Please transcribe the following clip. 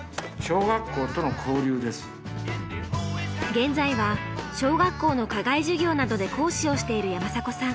現在は小学校の課外授業などで講師をしている山迫さん。